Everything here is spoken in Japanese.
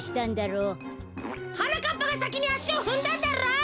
はなかっぱがさきにあしをふんだんだろう！